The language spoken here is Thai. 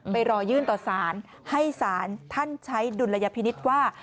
ไปรอยื่นต่อสารให้ศาลท่านใช้ดุลยพินิษฐ์ว่า